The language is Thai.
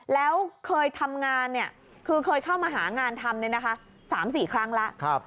แล้วเคยทำงานคือเคยเข้ามาหางานทำ๓๔ครั้งแล้ว